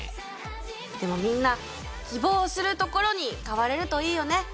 でもみんな希望するところに買われるといいよね。